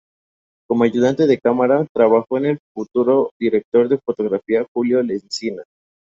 Como ayudante de cámara trabajó el futuro director de fotografía Julio Lencina.